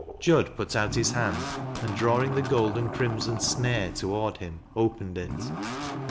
Jud put out his hand, and drawing the gold and crimson snare toward him, opened it.